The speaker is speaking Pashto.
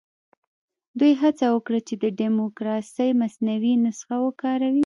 دوی هڅه وکړه چې د ډیموکراسۍ مصنوعي نسخه وکاروي.